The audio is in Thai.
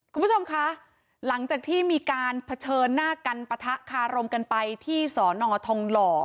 คุณผู้ชมคะหลังจากที่มีการเผชิญหน้ากันปะทะคารมกันไปที่สอนอทองหล่อ